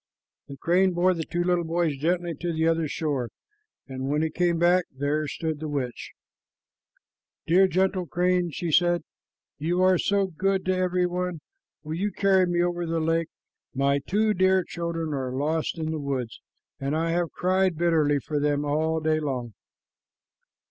The crane bore the two little boys gently to the other shore, and when he came back, there stood the witch. "Dear, gentle crane," she said, "you are so good to every one. Will you carry me over the lake? My two dear children are lost in the woods, and I have cried bitterly for them all day long."